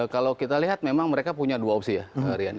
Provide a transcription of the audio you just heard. kalau kita lihat memang mereka punya dua opsi ya riani